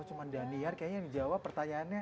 cuma daniar kayaknya yang dijawab pertanyaannya